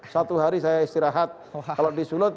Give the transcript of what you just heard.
satu hari saya istirahat kalau di sulut